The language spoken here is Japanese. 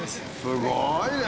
すごいね！